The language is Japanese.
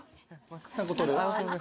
何個取る？